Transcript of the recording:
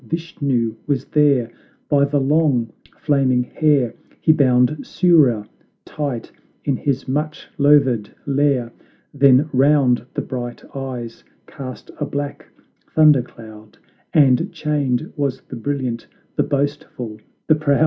Vishnu was there; by the long, flaming hair, He bound Surya tight in his much loathed lair; Then round the bright eyes cast a black thunder cloud And chained was the brilliant, the boastful, the proud!